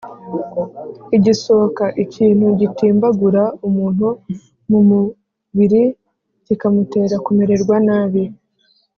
igisokȃ: ikintu gitimbagura umuntu mu mubiri kikamutera kumererwa nabi,